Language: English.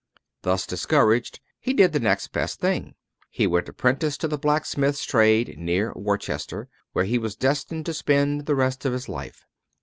Thus discouraged, he did the next best thing: he went apprentice to the blacksmith's trade, near Worcester, where he was destined to spend the rest of his life.